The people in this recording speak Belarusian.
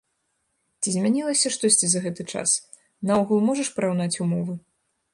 Ці змянілася штосьці за гэты час, наогул можаш параўнаць умовы?